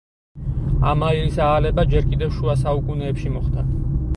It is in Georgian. ამ აირის აალება ჯერ კიდევ შუა საუკუნეებში მოხდა.